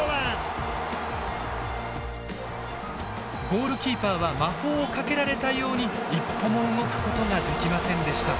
ゴールキーパーは魔法をかけられたように一歩も動くことができませんでした。